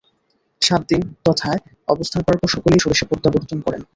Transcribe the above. সাতদিন তথায় অবস্থান করার পর সকলেই স্বদেশে প্রত্যাবর্তন করেন।